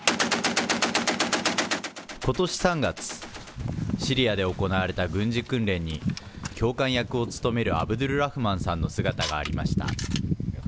ことし３月、シリアで行われた軍事訓練に、教官役を務めるアブドゥルラフマンさんの姿がありました。